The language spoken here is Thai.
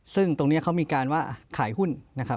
ซึ่งตรงนี้เขามีการว่าขายหุ้น